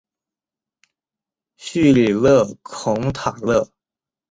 叙里勒孔塔勒。